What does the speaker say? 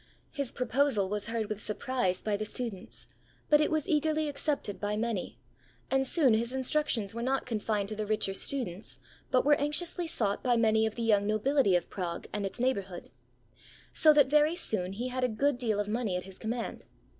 His proposal was heard with surprise by the students; but it was eagerly accepted by many; and soon his instructions were not confined to the richer students, but were anxiously sought by many of the young nobility of Prague and its neighbourhood. So that very soon he had a good deal of money at his command.